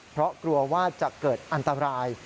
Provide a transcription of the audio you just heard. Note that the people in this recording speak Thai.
เพราะกลัวว่าจะเกิดอันตราย